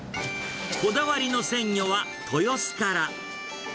こだわりの鮮魚は豊洲から。